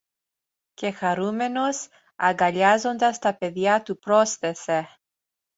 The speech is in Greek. Και χαρούμενος, αγκαλιάζοντας τα παιδιά του πρόσθεσε